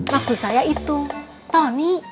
maksud saya itu tony